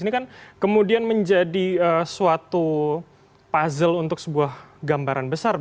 ini kan kemudian menjadi suatu puzzle untuk sebuah gambaran besar